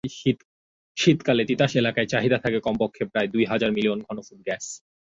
শীতকালে তিতাস এলাকায় চাহিদা থাকে কমপক্ষে প্রায় দুই হাজার মিলিয়ন ঘনফুট গ্যাস।